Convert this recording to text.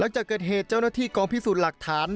จากเกิดเหตุเจ้าหน้าที่กองพิสูจน์หลักฐาน